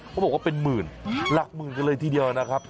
เขาบอกว่าเป็นหมื่นหลักหมื่นกันเลยทีเดียวนะครับ